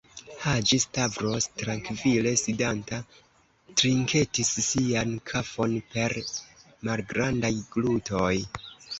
Haĝi-Stavros, trankvile sidanta, trinketis sian kafon per malgrandaj glutoj.